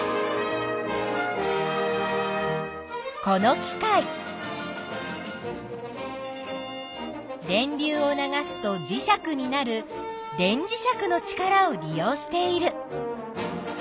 この機械電流を流すと磁石になる電磁石の力を利用している。